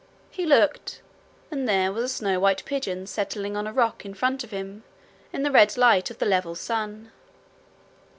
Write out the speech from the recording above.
He looked, and there was a snow white pigeon settling on a rock in front of him, in the red light of the level sun.